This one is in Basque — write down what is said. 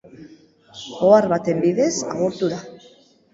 Ohar baten bidez agurtu da.